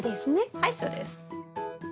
はいそうです。